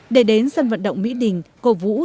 để đến sân vận động mỹ đình cổ vũ